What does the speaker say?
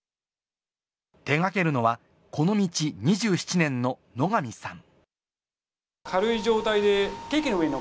手掛けるのは、この道２７年の野上さん。